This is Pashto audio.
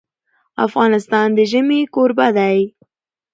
افغانستان د ژمی کوربه دی.